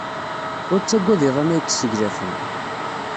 Ur ttagad iḍan ay yesseglafen.